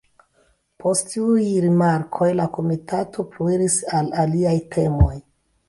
Post tiuj rimarkoj, la komitato pluiris al aliaj temoj.